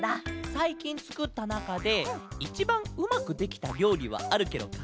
さいきんつくったなかでいちばんうまくできたりょうりはあるケロか？